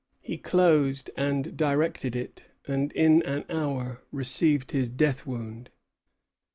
He closed and directed it; and in an hour received his death wound.